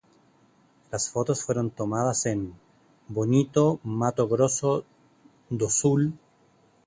Las fotos fueron tomadas en Bonito, Mato Grosso do Sul.